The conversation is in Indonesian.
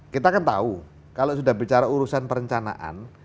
kita kan tahu kalau sudah bicara urusan perencanaan